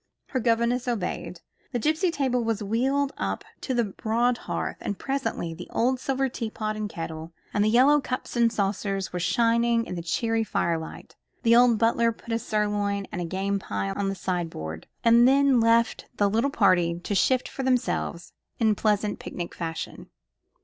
Her governess obeyed. The gipsy table was wheeled up to the broad hearth, and presently the old silver tea pot and kettle, and the yellow cups and saucers, were shining in the cheery firelight. The old butler put a sirloin and a game pie on the sideboard, and then left the little party to shift for themselves, in pleasant picnic fashion.